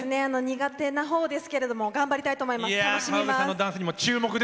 苦手なほうですけども頑張りたいと思います。